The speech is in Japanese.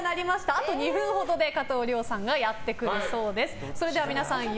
あと２分ほどで加藤諒さんがやってくるそうです。